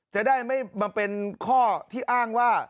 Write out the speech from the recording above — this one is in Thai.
จะได้ไม่มาเป็นข้อที่อ้างว่า